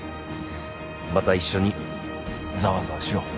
また一緒にざわざわしよう。